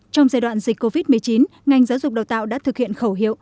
trong giai đoạn dịch covid một mươi chín ngành giáo dục đào tạo đã thực hiện khẩu hiệu